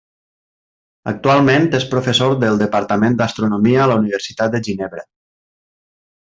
Actualment és professor del Departament d'Astronomia a la Universitat de Ginebra.